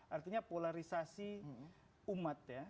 artinya polarisasi umat ya